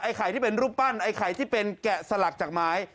ไข่ที่เป็นรูปปั้นไอ้ไข่ที่เป็นแกะสลักจากไม้